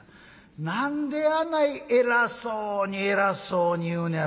何であない偉そうに偉そうに言うねやろなあ。